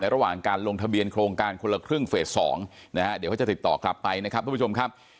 ระหว่างการลงทะเบียนโครงการคนละครึ่งเฟส๒นะฮะเดี๋ยวเขาจะติดต่อกลับไปนะครับทุกผู้ชมครับ